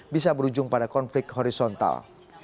bisa berujung pada konflik horizontal